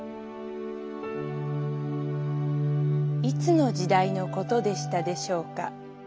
「いつの時代のことでしたでしょうか。